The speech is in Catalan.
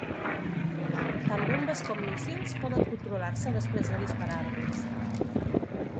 Tant bombes com míssils poden controlar-se després de disparar-los.